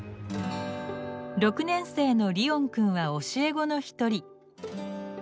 ６年生のリオン君は教え子の一人。